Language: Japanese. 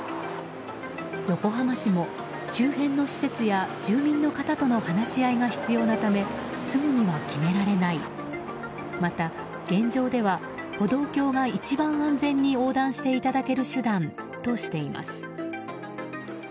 横浜市も、周辺の施設や住民の方との話し合いが必要なためすぐには決められないまた、現状では歩道橋が一番安全に横断していただける手段としています。